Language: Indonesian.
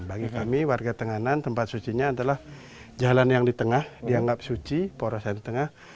bagi kami warga tenganan tempat sucinya adalah jalan yang di tengah dianggap suci porosan di tengah